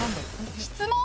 質問？